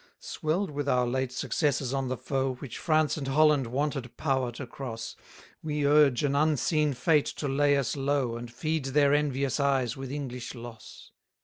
210 Swell'd with our late successes on the foe, Which France and Holland wanted power to cross, We urge an unseen fate to lay us low, And feed their envious eyes with English loss.